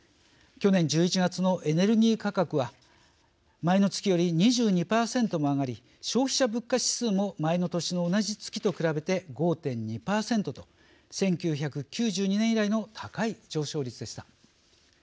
去年１１月のエネルギー価格は前の月より２２％も上がり消費者物価指数も前の年の同じ月と比べて５．２％と１９９２年以来の高い上昇率でした。